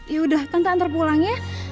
yaudah tante antar pulang ya